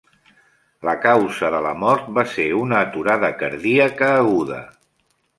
La causa de la mort va ser una aturada cardíaca aguda.